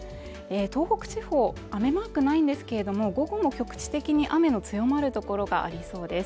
東北地方雨マークないんですけれども午後も局地的に雨の強まる所がありそうです